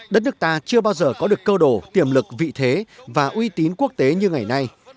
đất nước ta chưa bao giờ có được cơ đồ tiềm lực vị thế và uy tín quốc tế như ngày nay